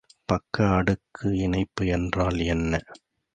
பக்க அடுக்கு இணைப்பு என்றால் என்ன?